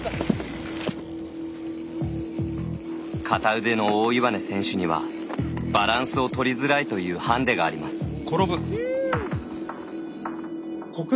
片腕の大岩根選手にはバランスを取りづらいというハンデがあります。